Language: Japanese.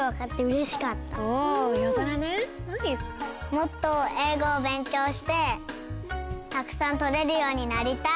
もっとえいごをべんきょうしてたくさんとれるようになりたい。